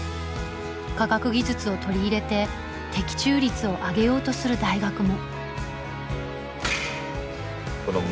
科学技術を取り入れて的中率を上げようとする大学も。